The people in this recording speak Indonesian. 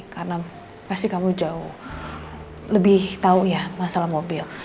karena pasti kamu jauh lebih tau ya masalah mobil